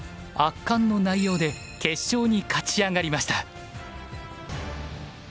圧巻の内容で決勝に勝ち上がりました。